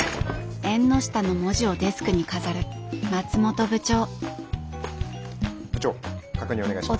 「縁の下」の文字をデスクに飾る松本部長部長確認お願いします。